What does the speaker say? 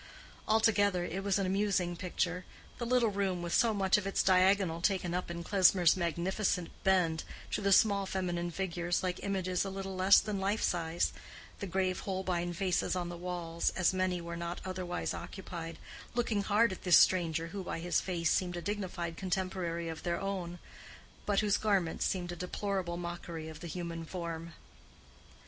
Altogether it was an amusing picture—the little room with so much of its diagonal taken up in Klesmer's magnificent bend to the small feminine figures like images a little less than life size, the grave Holbein faces on the walls, as many as were not otherwise occupied, looking hard at this stranger who by his face seemed a dignified contemporary of their own, but whose garments seemed a deplorable mockery of the human form.